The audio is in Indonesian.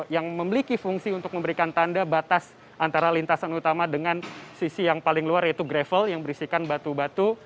yang memiliki fungsi untuk memberikan tanda batas antara lintasan utama dengan sisi yang paling luar yaitu gravel yang berisikan batu batu